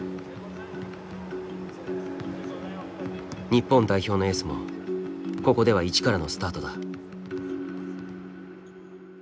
日本代表のエースもここでは一からのスタートだ。